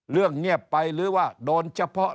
เงียบไปหรือว่าโดนเฉพาะ